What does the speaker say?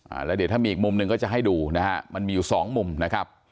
แล้วเดี๋ยวถ้ามีอีกมุมหนึ่งก็จะให้ดูนะฮะมันมีอยู่สองมุมนะครับ